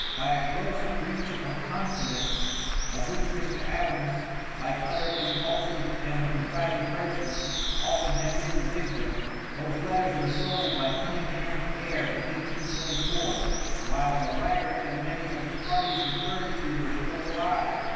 By a gross breach of confidence, of which Mr. Adams, like other impulsive and confiding persons, often had been the victim, those letters were sold by Cunningham's heir in 1824, while the writer and many of the parties referred to were still alive.